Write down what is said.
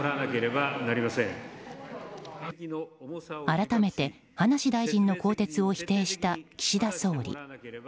改めて、葉梨大臣の更迭を否定した岸田総理。